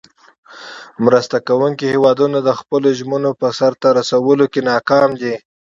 مرسته کوونکې هیوادونه د خپلو ژمنو په سر ته رسولو کې ناکام دي.